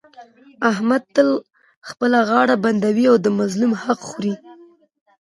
احمد تل خپله غاړه بندوي او د مظلومو خلکو حق خوري.